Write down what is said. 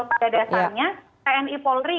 pada dasarnya tni polri